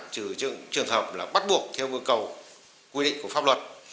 trừ trường hợp bắt buộc theo cầu quy định của pháp luật